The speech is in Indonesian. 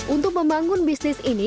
untuk membangun bisnis ini